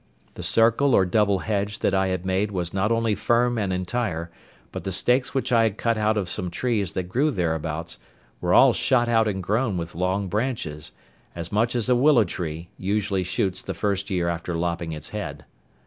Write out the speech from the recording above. The circle or double hedge that I had made was not only firm and entire, but the stakes which I had cut out of some trees that grew thereabouts were all shot out and grown with long branches, as much as a willow tree usually shoots the first year after lopping its head.